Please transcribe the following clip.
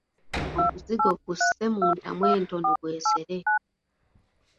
Omuzigo gusse mu ntamu entono gwesere.